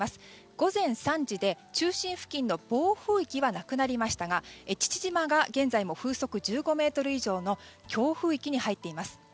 午前３時で中心付近の暴風域はなくなりましたが、父島が現在も風速１５メートル以上の強風域に入っています。